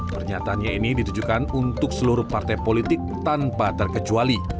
pernyataannya ini ditujukan untuk seluruh partai politik tanpa terkecuali